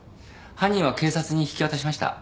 犯人は警察に引き渡しました。